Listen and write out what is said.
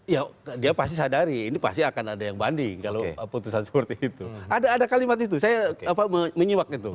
ya dia pasti sadari ini pasti akan ada yang banding kalau putusan seperti itu ada kalimat itu saya menyiwak itu